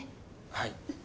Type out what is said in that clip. はい。